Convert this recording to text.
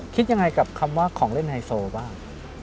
คิดยังไงกับคำว่าของเล่นไฮโซบ้าง